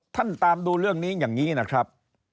ตามดูเรื่องนี้อย่างนี้นะครับ